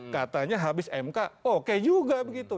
katanya habis mk oke juga begitu